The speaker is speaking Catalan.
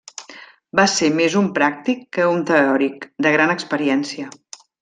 Va ser més un pràctic que un teòric, de gran experiència.